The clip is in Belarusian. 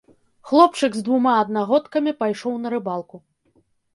Хлопчык з двума аднагодкамі пайшоў на рыбалку.